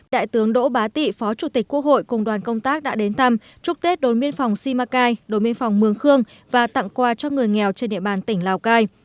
đại tướng đỗ bá tị phó chủ tịch quốc hội cùng đoàn công tác đã đến thăm chúc tết đối miên phòng simacai đối miên phòng mương khương và tặng quà cho người nghèo trên địa bàn tỉnh lào cai